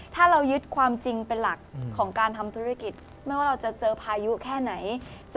ถ้าเรายึดความจริงเป็นหลักของการทำธุรกิจไม่ว่าเราจะเจอพายุแค่ไหน